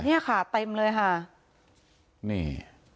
เนี่ยค่ะเต็มเลยค่ะนี่